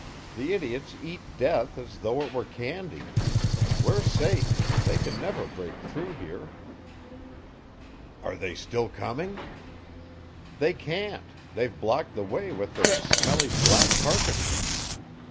"The idiots eat death as though it were candy. We're safe; they can never break through here." "Are they still coming?" "They can't; they've blocked the way with their smelly black carcasses.